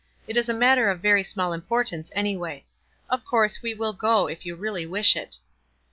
It is a matter of very small importance anyway. Of course we will g( if you really wish it."